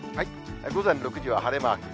午前６時は晴れマーク。